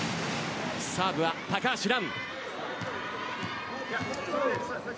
サーブは高橋藍。